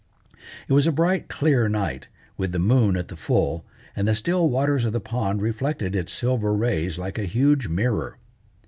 It was a bright, clear night, with the moon at the full, and the still waters of the pond reflected its silver rays like a huge mirror.